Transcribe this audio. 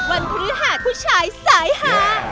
พฤหัสผู้ชายสายหา